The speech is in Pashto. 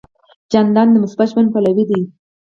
جانداد د مثبت ژوند پلوی دی.